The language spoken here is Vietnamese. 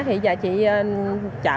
thì giờ chị chợ